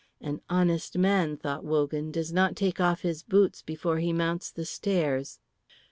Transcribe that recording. "An honest man," thought Wogan, "does not take off his boots before he mounts the stairs."